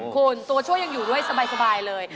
คุณตัวช่วยยังอยู่ด้วยสบายเลย